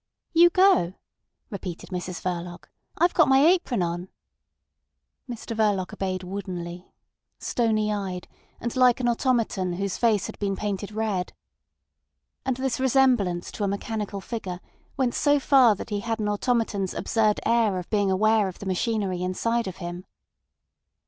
"You go," repeated Mrs Verloc. "I've got my apron on." Mr Verloc obeyed woodenly, stony eyed, and like an automaton whose face had been painted red. And this resemblance to a mechanical figure went so far that he had an automaton's absurd air of being aware of the machinery inside of him.